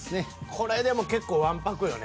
これでも結構わんぱくよね。